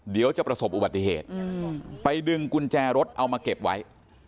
เดี๋ยวจะประสบอุบัติเหตุไปดึงกุญแจรถเอามาเก็บไว้